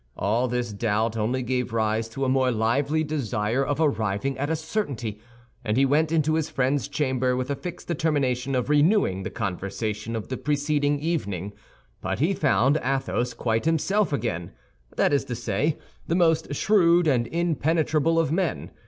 All this doubt only gave rise to a more lively desire of arriving at a certainty, and he went into his friend's chamber with a fixed determination of renewing the conversation of the preceding evening; but he found Athos quite himself again—that is to say, the most shrewd and impenetrable of men.